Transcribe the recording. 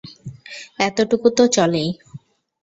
এতটুক তো চলেই!